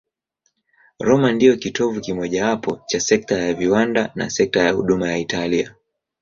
Roma ndiyo kitovu kimojawapo cha sekta ya viwanda na sekta ya huduma ya Italia.